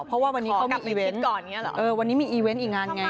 เพราะว่าวันนี้เขามีอีเวนท์เออวันนี้มีอีเวนท์อีกงานไง